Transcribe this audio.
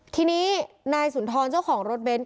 ทีนี้นายสุนทรเจ้าของรถเบนท์